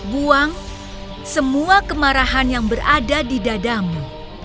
buang semua kemarahan yang berada di dadamu